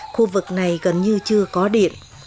khu vực này gần như chưa có điện